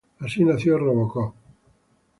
Así nació RoboCop.